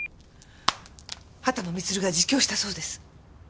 秦野満が自供したそうです。